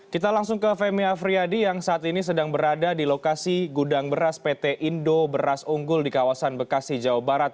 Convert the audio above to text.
kita langsung ke femi afriyadi yang saat ini sedang berada di lokasi gudang beras pt indo beras unggul di kawasan bekasi jawa barat